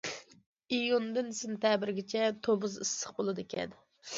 ئىيۇندىن سېنتەبىرگىچە تومۇز ئىسسىق بولىدىكەن.